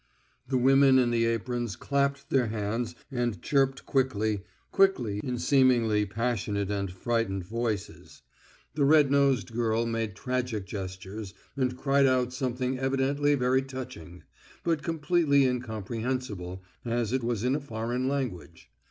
The women in the aprons clapped their hands and chirped quickly quickly, in seemingly passionate and frightened voices. The red nosed girl made tragic gestures, and cried out something evidently very touching, but completely incomprehensible, as it was in a foreign language.